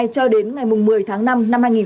cho đến ngày một mươi tháng năm năm hai nghìn hai mươi